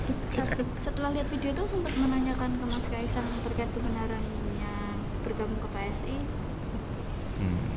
berkait kebenaran yang bergabung ke psi